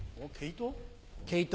毛糸？